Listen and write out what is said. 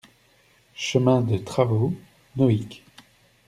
Chemin de Travaux, Nohic